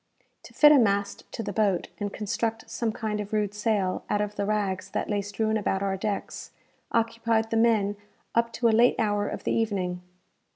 To fit a mast to the boat, and construct some kind of rude sail out of the rags that lay strewn about our decks, occupied the men up to a late hour of the evening.